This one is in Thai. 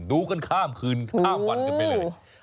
ดูกันข้ามคืนข้ามวันกันไปเลย